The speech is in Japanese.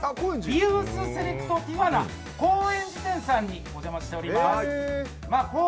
リユースセレクトティファナ高円寺店さんにお邪魔しております。